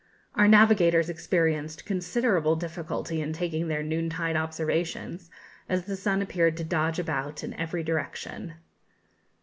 Our navigators experienced considerable difficulty in taking their noon tide observations, as the sun appeared to dodge about in every direction.